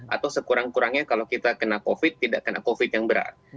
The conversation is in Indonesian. atau sekurang kurangnya kalau kita kena covid tidak kena covid yang berat